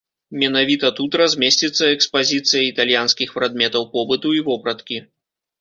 Менавіта тут размесціцца экспазіцыя італьянскіх прадметаў побыту і вопраткі.